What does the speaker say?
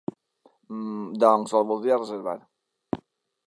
Mm doncs el voldria reservar.